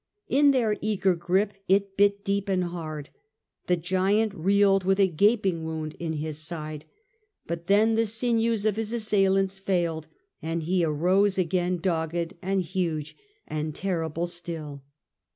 In their eager grip it bit deep and hard, the giant reeled with a gaping wound in his side, but then the sinews of his assailants failed and he arose again dogged and huge and terrible still.